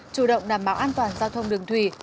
chủ động đảm bảo an toàn giao thông đường thủy